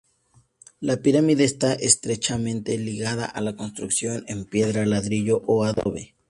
La pirámide está estrechamente ligada a la construcción en piedra, ladrillo o adobe.